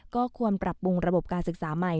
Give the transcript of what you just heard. ก็ควรปรับปรุงระบบการศึกษาใหม่